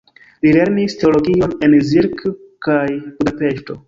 Li lernis teologion en Zirc kaj Budapeŝto.